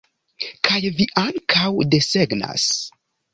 Kaj vi ankaŭ desegnas?